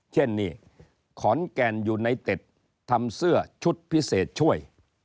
เช่นนี่ขอนแก่นยูไนเต็ดทำเสื้อชุดพิเศษช่วย